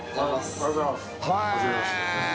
おはようございます。